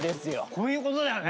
こういう事だよね。